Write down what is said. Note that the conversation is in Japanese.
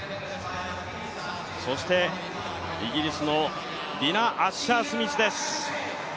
そしてイギリスのディナ・アッシャースミスです。